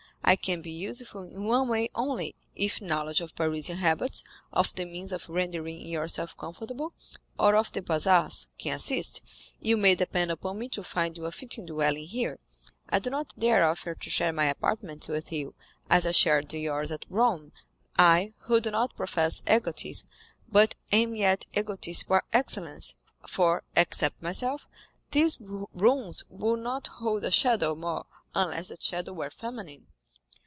I can be useful in one way only—if knowledge of Parisian habits, of the means of rendering yourself comfortable, or of the bazaars, can assist, you may depend upon me to find you a fitting dwelling here. I do not dare offer to share my apartments with you, as I shared yours at Rome—I, who do not profess egotism, but am yet egotist par excellence; for, except myself, these rooms would not hold a shadow more, unless that shadow were feminine."